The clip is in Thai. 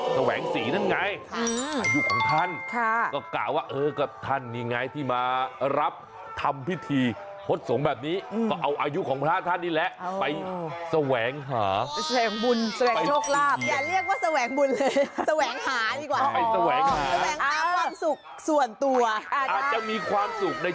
ถ้าประกาศรางวัลออกมามันอาจจะเป็นความทุกข์ก็ได้